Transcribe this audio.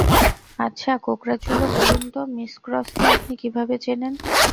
আচ্ছা কোঁকড়াচুলো, বলুন তো মিস ক্রসকে আপনি কীভাবে চেনেন?